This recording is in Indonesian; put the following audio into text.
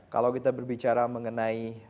kalau kita bicara mengenai